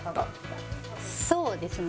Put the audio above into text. そうですね。